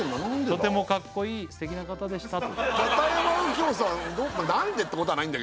とてもかっこいいすてきな方でした片山右京さん